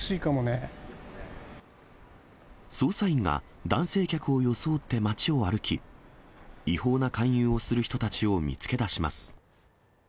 捜査員が男性客を装って街を歩き、違法な勧誘をする人たちを見つけ出します。